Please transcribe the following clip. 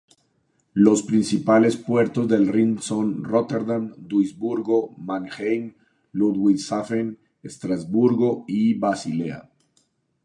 Los principales puertos del Rin son Róterdam, Duisburgo, Mannheim, Ludwigshafen, Estrasburgo y Basilea.